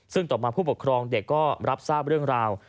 ซึ่งต่อมาผู้ปกครองเด็กก็รับทราบเรื่องราว